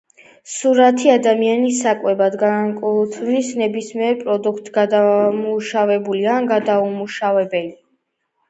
სურსათი ადამიანის საკვებად განკუთვნილი ნებისმიერი პროდუქტი, გადამუშავებული ან გადაუმუშავებელი.